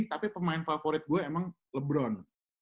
tapi pemain favorit gue emang lebron